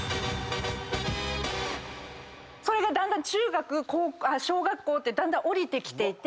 それがだんだん中学小学校って下りてきてて。